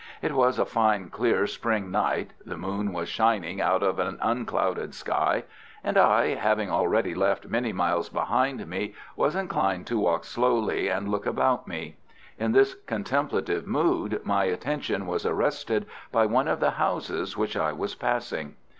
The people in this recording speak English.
It was a fine, clear spring night, the moon was shining out of an unclouded sky, and I, having already left many miles behind me, was inclined to walk slowly and look about me. In this contemplative mood, my attention was arrested by one of the houses which I was passing.